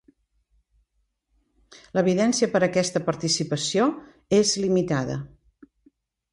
L'evidència per a aquesta participació és limitada.